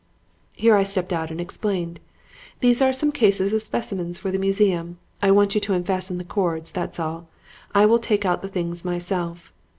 "Here I stepped out and explained, 'These are some cases of specimens for the museum. I want you to unfasten the cords. That is all. I will take out the things myself.'